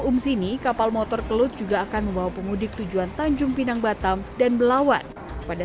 umsini kapal motor kelut juga akan membawa pemudik tujuan tanjung pinang batam dan belawan pada